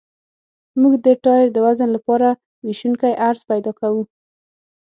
موږ د ټایر د وزن لپاره ویشونکی عرض پیدا کوو